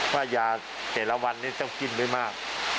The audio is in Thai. ว่ายาแต่ละวันนี้จะกินด้วยมาก